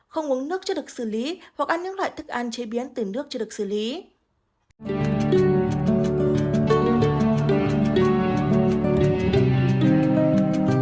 không uống nước chưa được xử lý hoặc ăn những loại thức ăn chế biến từ nước chưa được xử lý